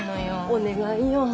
お願いよ。